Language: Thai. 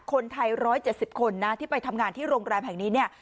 คนไทย๑๗๐คนที่ไปทำงานที่โรงการแบบนี้